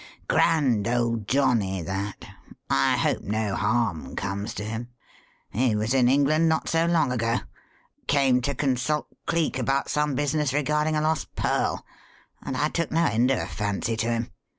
Grand old johnny, that I hope no harm comes to him. He was in England not so long ago. Came to consult Cleek about some business regarding a lost pearl, and I took no end of a fancy to him.